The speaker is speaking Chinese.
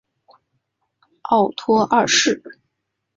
奥托二世。